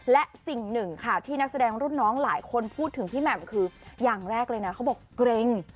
และสิ่งหนึ่งค่ะที่นักแสดงรุ่นน้องหลายคนพูดถึงพี่แหม่มคืออย่างแรกเลยนะเขาบอกเกร็ง